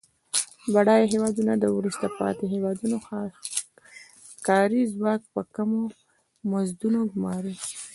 بډایه هیوادونه د وروسته پاتې هېوادونو کاري ځواک په کمو مزدونو ګوماري.